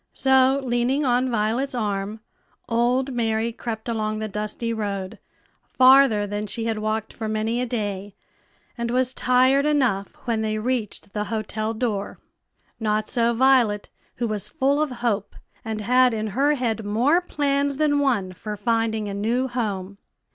So, leaning on Violet's arm, old Mary crept along the dusty road, farther than she had walked for many a day, and was tired enough when they reached the hotel door. Not so Violet, who was full of hope, and had in her head more plans than one for finding a new home.